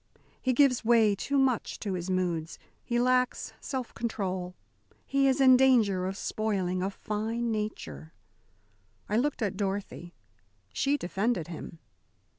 "He gives way too much to his moods. He lacks self control. He is in danger of spoiling a fine nature." I looked at Dorothy. She defended him.